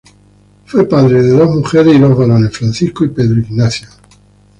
Fue padre de dos mujeres y dos varones, Francisco y Pedro Ignacio.